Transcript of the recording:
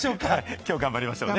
きょう頑張りましょうね。